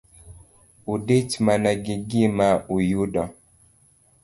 Udich mana gi gima uyudo.